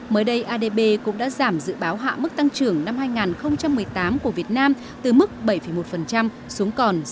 mới đây adb cũng đã giảm dự báo hạ mức tăng trưởng năm hai nghìn một mươi tám của việt nam từ mức bảy một xuống còn sáu mươi